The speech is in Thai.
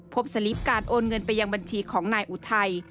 สลิปการโอนเงินไปยังบัญชีของนายอุทัย